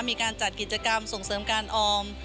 มีการจัดกิจกรรมส่งเสริมการออม